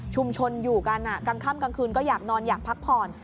อยู่กันกลางค่ำกลางคืนก็อยากนอนอยากพักผ่อน